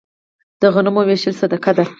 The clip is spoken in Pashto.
د غنمو ویشل صدقه ده.